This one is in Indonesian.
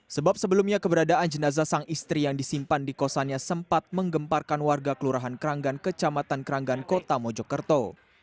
sebab sebelumnya keberadaan jenazah sang istri yang disimpan di kosannya sempat menggemparkan warga kelurahan keranggan kecamatan keranggan kota mojokerto